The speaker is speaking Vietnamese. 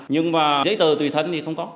nhưng mà giấy tờ tùy thân thì không có